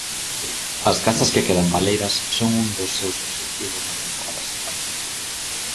As casas que quedan baleiras son un dos seus obxectivos na temporada estival.